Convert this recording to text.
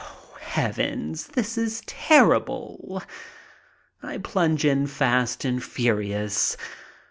Heavens ! this is terrible. I plunge in fast and furious.